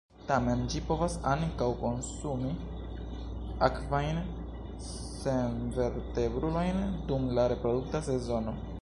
Tamen ĝi povas ankaŭ konsumi akvajn senvertebrulojn dum la reprodukta sezono.